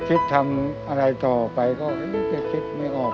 คิดทำอะไรต่อไปก็จะคิดไม่ออก